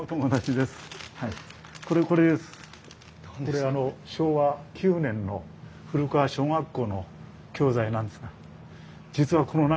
これあの昭和９年の古川小学校の教材なんですが実はこの中にですね